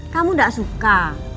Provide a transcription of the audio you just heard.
kamu gak suka